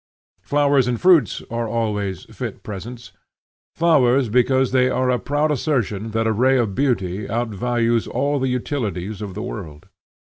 Flowers and fruits are always fit presents; flowers, because they are a proud assertion that a ray of beauty outvalues all the utilities of the world.